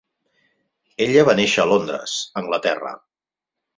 Ella va néixer a Londres, Anglaterra.